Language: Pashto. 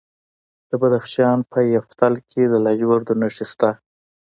د بدخشان په یفتل کې د لاجوردو نښې شته.